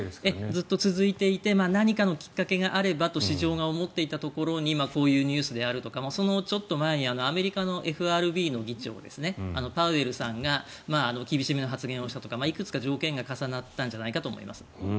ずっと続いていて何かのきっかけがあればと市場が思っていたところにこういうニュースであるとかそのちょっと前にアメリカのＦＲＢの議長のパウエルさんが厳しめな発言をしたとかいくつか条件が重なったんじゃないかと思います。